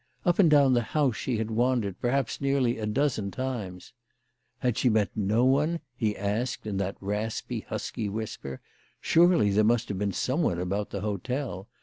Up and down the house she had wandered, perhaps nearly a dozen times. "Had she met no one ?" he asked in that raspy, husky whisper. " Surely there must have been some one about the hotel